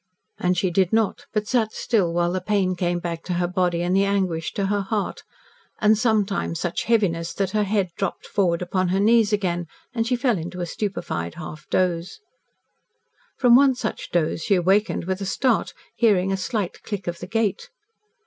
And she did not, but sat still, while the pain came back to her body and the anguish to her heart and sometimes such heaviness that her head dropped forward upon her knees again, and she fell into a stupefied half doze. From one such doze she awakened with a start, hearing a slight click of the gate.